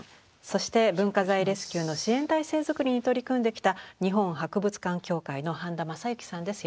そして文化財レスキューの支援体制づくりに取り組んできた日本博物館協会の半田昌之さんです。